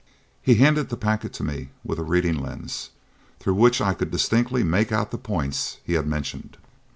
He handed the packet to me with a reading lens, through which I could distinctly make out the points he had mentioned.